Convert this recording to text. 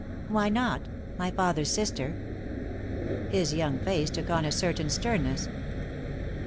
"Why not? My father's sister." His young face took on a certain sternness.